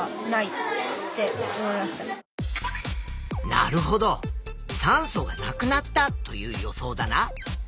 なるほど酸素がなくなったという予想だな。